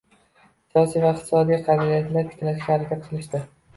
siyosiy va iqtisodiy qadriyatlarni tiklashga harakat qilishdi.